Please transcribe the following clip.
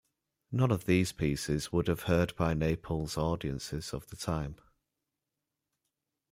None of these pieces would have heard by Naples' audiences of the time.